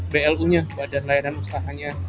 blu nya badan layanan usahanya